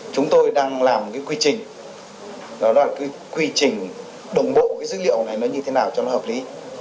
chúng tôi đang làm một quy trình đó là quy trình đồng bộ dữ liệu này như thế nào cho nó hợp lý